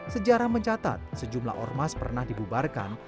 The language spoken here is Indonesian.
sejarah mencatat sejumlah ormas pernah dibubarkan